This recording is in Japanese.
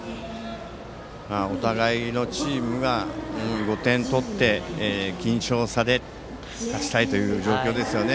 お互いのチームが５点取って僅少差で勝ちたいというところでしょうね。